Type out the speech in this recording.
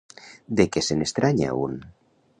De què se n'estranya un?